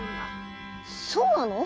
そうなの？